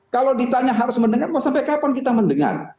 kalau ditanya harus mendengar sampai kapan kita mendengar